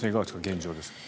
現状ですが。